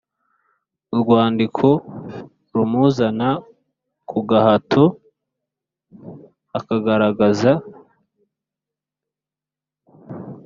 Urwandiko rumuzana ku gahato akagaragaza